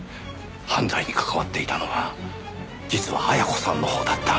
犯罪に関わっていたのは実は絢子さんのほうだった。